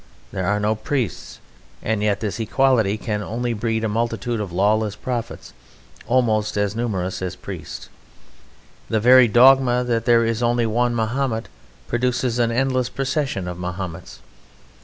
There are no priests; and yet this equality can only breed a multitude of lawless prophets almost as numerous as priests. The very dogma that there is only one Mahomet produces an endless procession of Mahomets.